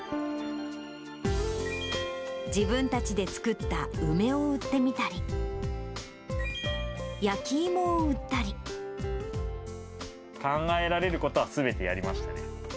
自分たちで作った梅を売ってみたり、考えられることは、すべてやりました。